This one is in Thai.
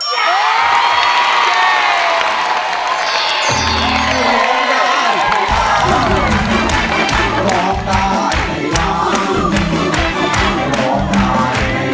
ร้องได้ให้ร้อง